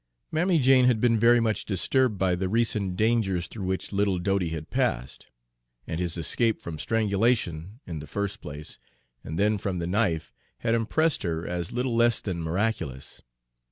Mammy Jane had been very much disturbed by the recent dangers through which little Dodie had passed; and his escape from strangulation, in the first place, and then from the knife had impressed her as little less than miraculous.